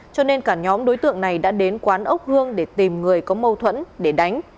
cho nên cả nhóm đối tượng này đã đến quán ốc hương để tìm người có mâu thuẫn để đánh